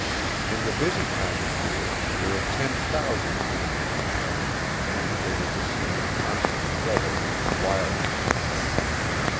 In the busy time of year there are ten thousand men in the town and it is a scene of constant revelry and wildness.